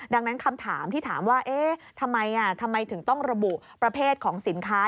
ดังนั้นคำถามที่ถามว่าเอ๊ะทำไมทำไมถึงต้องระบุประเภทของสินค้า